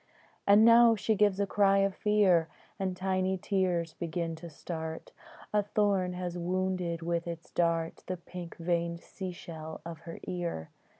And now she gives a cry of fear, And tiny tears begin to start: A thorn has wounded with its dart The pink veined sea shell of her ear.